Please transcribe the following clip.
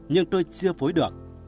nhưng tôi chưa phối được